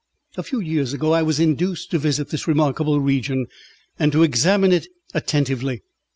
A few years ago I was induced to visit this remarkable region and to examine it attentively.